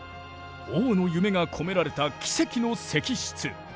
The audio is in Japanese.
王の夢が込められた奇跡の石室。